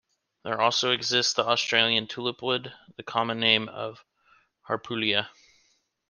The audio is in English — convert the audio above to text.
There also exists the Australian "tulipwood", the common name of "Harpullia".